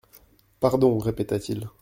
«Pardon,» répéta-t-il.